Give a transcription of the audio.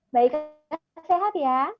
mbak ika sehat ya